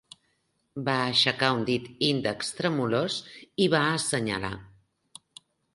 Va aixecar un dit índex tremolós i va assenyalar.